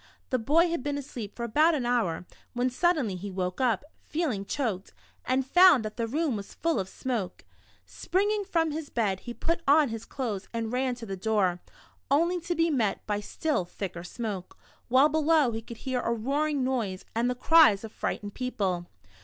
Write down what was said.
The boy had been asleep for about an hour, when suddenly he woke up, feeling choked, and found that the room was full of smoke ! Springing from his bed, he put on his clothes and ran to the door, only to be met by still thicker smoke, while below he could hear a roar ing noise, and the cries of frightened people